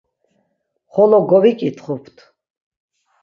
Xolo goviǩitxupt.